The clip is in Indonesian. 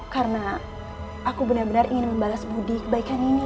karena aku benar benar ingin membalas budi kebaikan nini